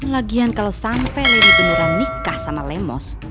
lagian kalau sampai lady beneran nikah sama lemos